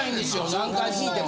何回聞いても。